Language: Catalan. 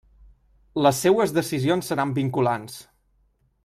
Les seues decisions seran vinculants.